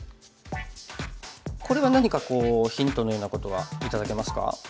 これは何かこうヒントのようなことは頂けますか？